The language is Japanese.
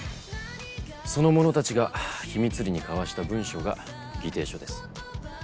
その者たちが秘密裏に交わした文書が議定書です。